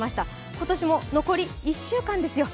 今年も残り１週間ですよ。